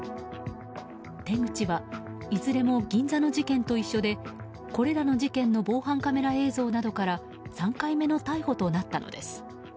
手口はいずれも銀座の事件と一緒でこれらの事件の防犯カメラ映像などから３回目の逮捕となったのです。